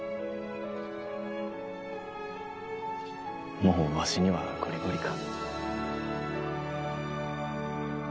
もうわしにはこりごりか？